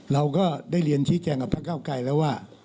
เราก็ได้เรียนชี้แจงกับพระเก้าไกลแล้วว่า